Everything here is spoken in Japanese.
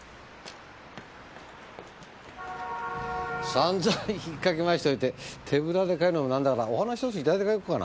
さんざん引っ掻き回しといて手ぶらで帰るのもなんだからお花１つ頂いて帰ろうかな。